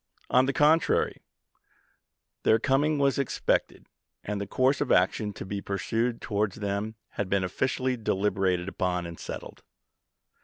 On the contrary, their coming was expected, and the course of action to be pursued towards them had been officially deliberated upon and settled.